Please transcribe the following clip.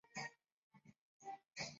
寻擢汉军梅勒额真。